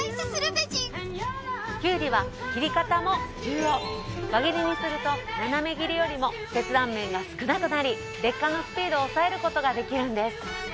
まず輪切りにすると斜め切りよりも切断面が少なくなり劣化のスピードを抑えることができるんです。